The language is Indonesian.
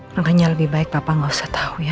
makanya lebih baik papa gak usah tahu ya